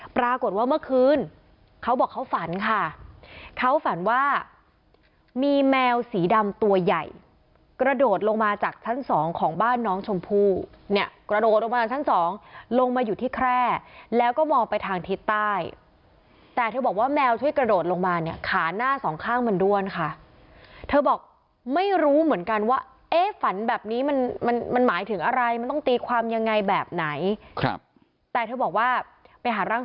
ปรากฏว่าเมื่อคืนเขาบอกเขาฝันค่ะเขาฝันว่ามีแมวสีดำตัวใหญ่กระโดดลงมาจากชั้นสองของบ้านน้องชมพู่เนี่ยกระโดดลงมาชั้นสองลงมาอยู่ที่แคร่แล้วก็มองไปทางทิศใต้แต่เธอบอกว่าแมวช่วยกระโดดลงมาเนี่ยขาหน้าสองข้างมันด้วนค่ะเธอบอกไม่รู้เหมือนกันว่าเอ๊ะฝันแบบนี้มันมันหมายถึงอะไรมันต้องตีความยังไงแบบไหนครับแต่เธอบอกว่าไปหาร่าง